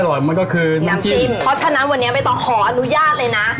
ให้เข้ากับเนียวใหม่ของนักหนึ่งสาง